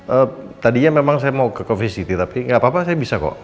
ehm tadinya memang saya mau ke covist city tapi gapapa saya bisa kok